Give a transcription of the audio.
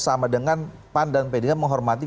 sama dengan pan dan p tiga menghormati